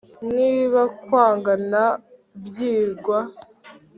Niba kwagana byigwa